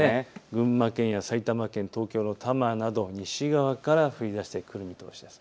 群馬県や埼玉県、東京の多摩など西側から降りだしてくる見通しです。